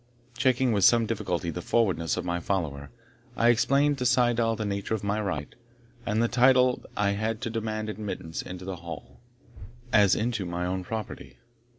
Checking with some difficulty the forwardness of my follower, I explained to Syddall the nature of my right, and the title I had to demand admittance into the Hall, as into my own property.